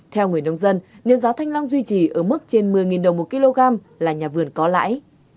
theo người nông dân nếu giá thanh long duy trì ở mức trên một mươi đồng một kg là nhà vườn có lãi